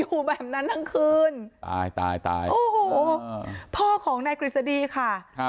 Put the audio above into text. อยู่แบบนั้นทั้งคืนตายตายตายโอ้โหพ่อของนายกฤษฎีค่ะ